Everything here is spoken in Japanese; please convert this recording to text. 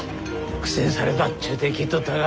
苦戦されたっちゅうて聞いとったが。